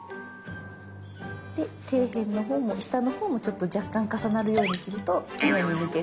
で底辺のほうも下のほうもちょっと若干重なるように切るときれいに抜ける。